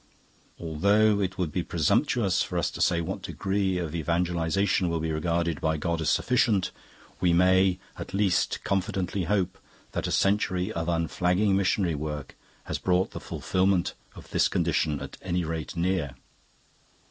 Although it would be presumptuous for us to say what degree of evangelisation will be regarded by God as sufficient, we may at least confidently hope that a century of unflagging missionary work has brought the fulfilment of this condition at any rate near.